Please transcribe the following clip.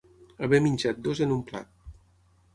Haver menjat dos en un plat.